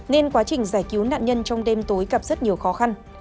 nên quá trình giải cứu nạn nhân trong đêm tối gặp rất nhiều khó khăn